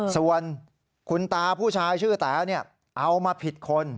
ส่วนคุณตาผู้ชายชื่อแต๋เอามาผิดคน